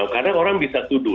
karena orang bisa tuduh